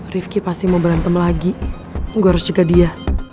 rivki pasti mau berantem lagi gua harus jaga dia